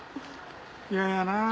嫌やなあ。